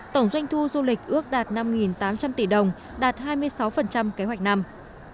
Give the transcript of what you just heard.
tổng doanh thu du lịch ước đạt năm tám trăm linh tỷ đồng đạt hai mươi sáu kế hoạch năm